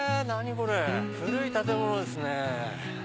これ古い建物ですね。